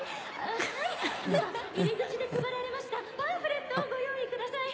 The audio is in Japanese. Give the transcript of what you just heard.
ハッハッハッ入り口で配られましたパンフレットをご用意ください